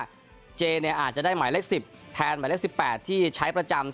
คาดดาวกันว่าเจ๊อาจจะได้หมายเล็ก๑๐แทนหมายเล็ก๑๘ที่ใช้ประจำ